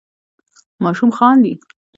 ماشوم خاندي.